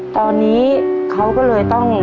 ตอนนี้เขาก็เลยต้อง